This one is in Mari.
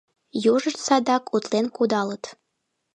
Южышт садак утлен кудалыт.